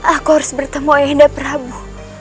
aku harus bertemu ayah anda prabu